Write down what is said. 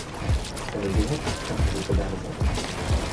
Wenn du sie hackst, kämpfen sie für deine Seite.